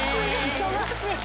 忙しい！